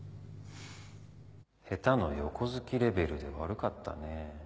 下手の横好きレベルで悪かったね